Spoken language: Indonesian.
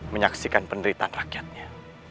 menyaksikan peneritan rakyatnya